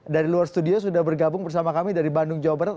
dari luar studio sudah bergabung bersama kami dari bandung jawa barat